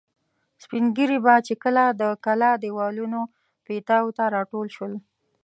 سپین ږیري به چې کله د کلا دېوالونو پیتاوو ته را ټول شول.